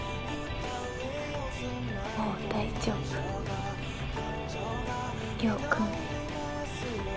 もう大丈夫陽君。